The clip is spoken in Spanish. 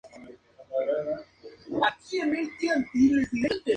Fue su cuarta participación en el certamen continental.